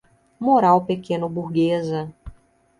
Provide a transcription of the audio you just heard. moral pequeno-burguesa